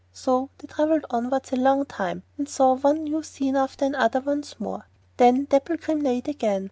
So they travelled onwards a long time, and saw one new scene after another once more. Then Dapplegrim neighed again.